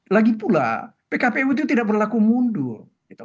lagipula pkpu itu tidak berlaku mundur